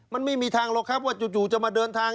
มันไม่มีทางหรอกครับว่าจู่จะมาเดินทาง